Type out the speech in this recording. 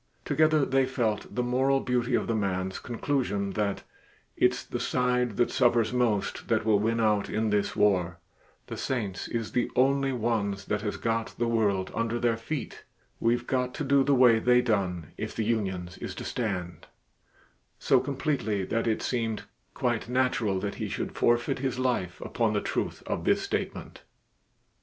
Together they felt the moral beauty of the man's conclusion that "it's the side that suffers most that will win out in this war the saints is the only ones that has got the world under their feet we've got to do the way they done if the unions is to stand," so completely that it seemed quite natural that he should forfeit his life upon the truth of this statement.